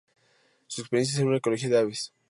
Su experiencia es en ecología de aves.